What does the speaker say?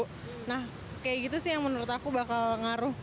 beberapa warga yang menurut aku bakal ngaruh